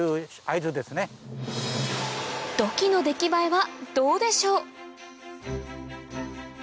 土器の出来栄えはどうでしょう？